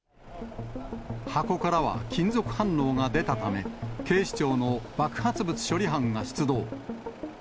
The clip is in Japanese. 箱からは金属反応が出たため、警視庁の爆発物処理班が出動。